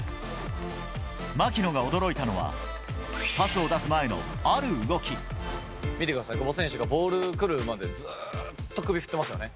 槙野が驚いたのは、パスを出す前見てください、久保選手がボールが来るまで、ずっと首振ってますよね。